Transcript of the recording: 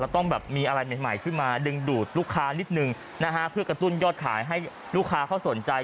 ต้องแบบมีอะไรใหม่ใหม่ขึ้นมาดึงดูดลูกค้านิดนึงนะฮะเพื่อกระตุ้นยอดขายให้ลูกค้าเขาสนใจ